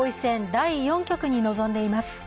第４局に臨んでいます。